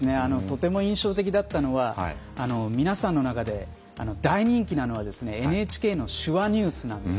とても印象的だったのは皆さんの中で大人気なのはＮＨＫの「手話ニュース」なんですよね。